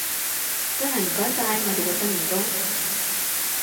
真係唔該晒，我哋嘅新員工